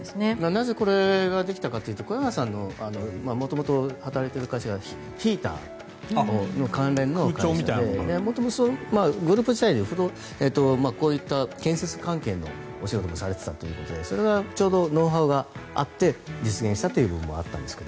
なぜこれができたかというと小山さんの元々、働いている会社がヒーターの関連の会社で元々、グループ自体でこういった建設関係のお仕事もされていたということでそれがちょうどノウハウがあって実現した部分があったんですが。